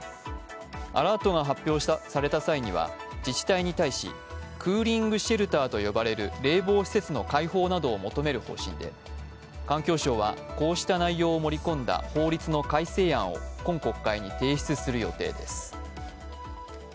アラートが発表された際には自治体に対しクーリングシェルターと呼ばれる冷房施設の開放などを求める方針で環境省はこうした内容を盛り込んだ法律の改正案を今国会に提出する予定です。